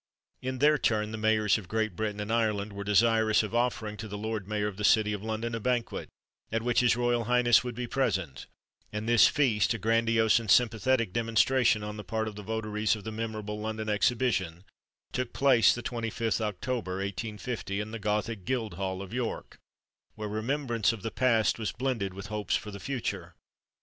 In their turn, the mayors of Great Britain and Ireland were desirous of offering to the Lord Mayor of the city of London a banquet, at which his Royal Highness would be present; and this feast, a grandiose and sympathetic demonstration on the part of the votaries of the memorable London Exhibition, took place the 25th October, 1850, in the gothic Guildhall of York, where remembrance of the past was blended with hopes for the future.